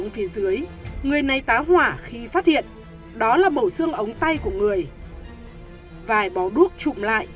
phát lộ người này tá hỏa khi phát hiện đó là bộ xương ống tay của người vài bò đuốc trụm lại